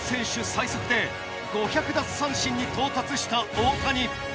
最速で５００奪三振に到達した大谷。